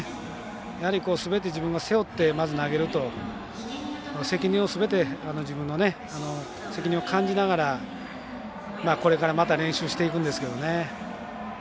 やはり、すべて自分が背負ってまず投げると責任をすべて自分の責任を感じながらこれからまた練習していくんですけどね。